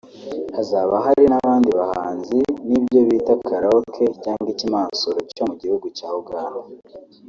hazaba hari n’abandi bahanzi n’ibyo bita (Karaoke cg Ikimasuro) cyo mu gihugu cya Uganda